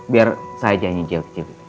biar saya janji jio kecil kecil